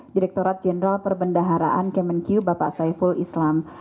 direkturat jenderal perbendaharaan kemenq bapak saiful islam